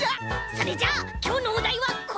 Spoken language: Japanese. それじゃあきょうのおだいはこれ！